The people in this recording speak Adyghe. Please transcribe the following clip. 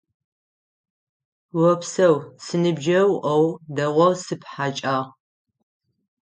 Опсэу, си ныбджэгъу, Ӏоу дэгъоу сыпхьэкӀагъ.